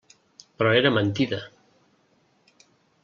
Però era mentida.